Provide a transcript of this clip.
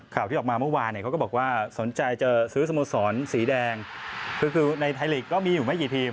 ที่ออกมาเมื่อวานเนี่ยเขาก็บอกว่าสนใจจะซื้อสโมสรสีแดงคือคือในไทยลีกก็มีอยู่ไม่กี่ทีม